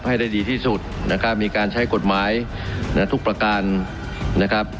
ให้ได้ดีที่สุดนะครับมีการใช้กฎหมายนะทุกประการนะครับ